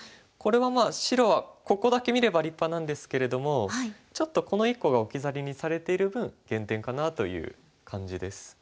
これはまあ白はここだけ見れば立派なんですけれどもちょっとこの１個が置き去りにされている分減点かなという感じです。